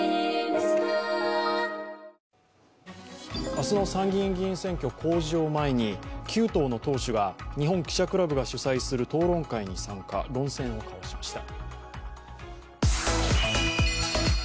明日の参議院議員選挙公示を前に９党の党首が日本記者クラブが主催する討論会に参加、論戦を交わしました。